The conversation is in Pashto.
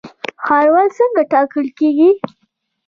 ښاروال څنګه ټاکل کیږي؟